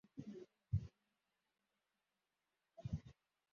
Umugabo wambaye ishati irambuye areba inyanja